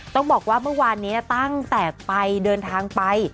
ต้องบอกว่าเมื่อวานนี้ตั้งแต่ไปเดินทางไป